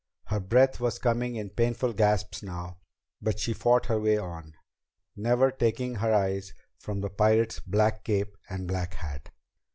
Her breath was coming in painful gasps now, but she fought her way on, never taking her eyes from the pirate's black cape and black hat.